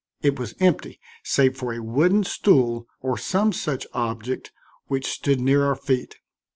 It was empty save for a wooden stool or some such object which stood near our feet.